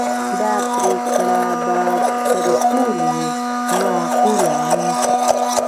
دا پرېکړه به تر ټولو معقوله وي.